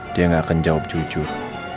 dia gak akan jawab jujur